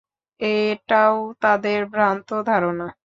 এটাও তাদের ভ্রান্ত ধারণা।